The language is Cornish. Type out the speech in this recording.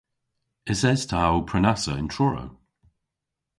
Eses ta ow prenassa yn Truru?